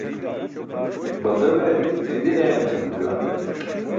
Balda bee ćidin yayam, senum juwan.